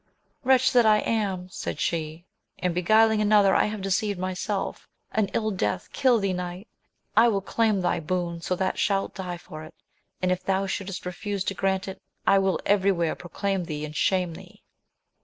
Wretch that I am ! said she, in beguiling another I have deceived myself, An ill death kill thee, knight ! I will claim thy boon so that thou shalt die for it ; and, if thou shouldst refuse to grant it, I will every where proclaim thee and shame thee.